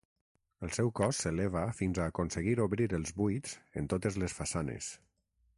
El seu cos s'eleva fins a aconseguir obrir els buits en totes les façanes.